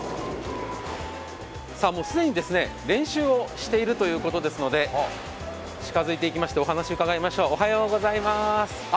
既に練習をしているということですので、近づいていきましてお話を伺いましょう。